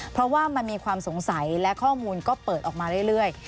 เพราะว่ามันมีความสงสัยและข้อมูลก็เปิดออกมาเรื่อย